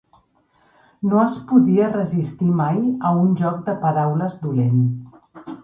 No es podia resistir mai a un joc de paraules dolent.